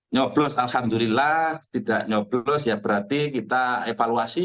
nyoblos alhamdulillah tidak nyoblos ya berarti kita evaluasi